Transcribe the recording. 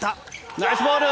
ナイスボール。